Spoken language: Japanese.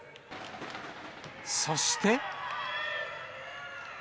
そして。